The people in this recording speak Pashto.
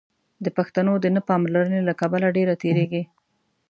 د پښتو د نه پاملرنې له کبله ډېره تېرېږي.